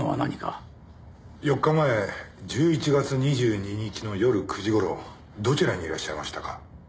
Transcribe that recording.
４日前１１月２２日の夜９時頃どちらにいらっしゃいましたか？